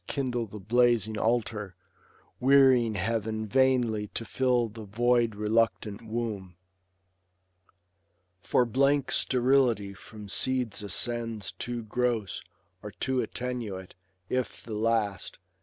Kindle the blazing altar, wearying heav'n Vainly, to fill the void reluctant womb. For blank sterility from seeds ascends Too gross, or too attenuate ; if the last.